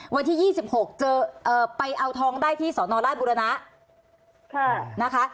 วันที่ยี่สิบหกเจอเอ่อไปเอาทองได้ที่สอนราชบุรณะค่ะนะคะ